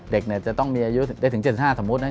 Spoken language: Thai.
เด็กจะต้องมีอายุได้ถึง๗๕สมมุตินะ